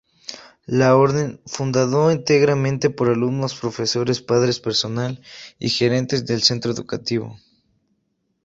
La Orden, fundado íntegramente por alumnos, profesores, padres, personal y gerentes del centro educativo.